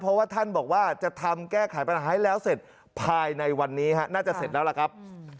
เพราะว่าท่านบอกว่าจะทำแก้ไขปัญหาให้แล้วเสร็จภายในวันนี้น่าจะเสร็จแล้วล่ะครับ